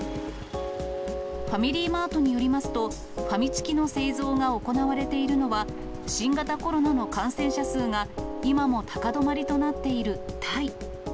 ファミリーマートによりますと、ファミチキの製造が行われているのは、新型コロナの感染者数が今も高止まりとなっているタイ。